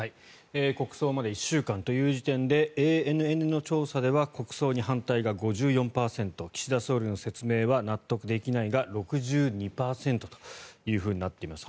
国葬まで１週間という時点でＡＮＮの調査では国葬に反対が５４％岸田総理の説明は納得できないが６２％となっています。